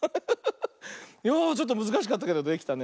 いやあちょっとむずかしかったけどできたね。